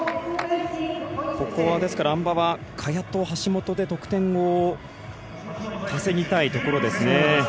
ここもあん馬は、萱と橋本で得点を稼ぎたいところですね。